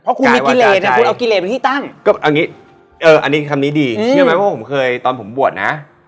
เพราะคุณมีกิเลนะคุณเอากิเลเป็นที่ตั้งก็อันนี้คำนี้ดีเชื่อไหมว่าผมเคยตอนผมบวชนะ